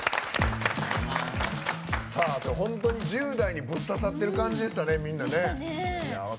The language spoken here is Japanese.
本当に１０代にぶっ刺さってる感じでしたねみんなね。